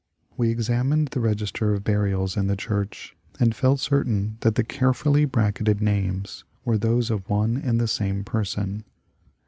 We examined the regis ter of burials in the church, and felt certain that the care fully bracketed names were those of one and the same person.